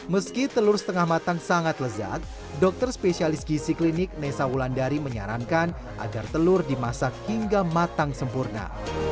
meski telur setengah matang sangat lezat dokter spesialis gizi klinik nesa wulandari menyarankan agar telur dimasak hingga matang sempurna